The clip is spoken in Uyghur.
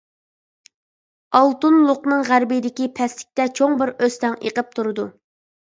ئالتۇنلۇقنىڭ غەربىدىكى پەسلىكتە چوڭ بىر ئۆستەڭ ئېقىپ تۇرىدۇ.